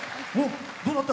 どうだった？